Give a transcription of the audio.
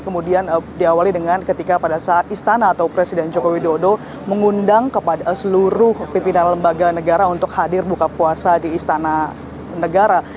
kemudian diawali dengan ketika pada saat istana atau presiden joko widodo mengundang kepada seluruh pimpinan lembaga negara untuk hadir buka puasa di istana negara